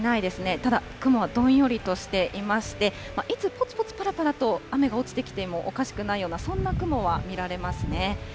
ただ、雲はどんよりとしていまして、いつ、ぽつぽつ、ぱらぱらと雨が落ちてきてもおかしくないような、そんな雲は見られますね。